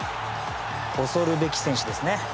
恐るべき選手ですね。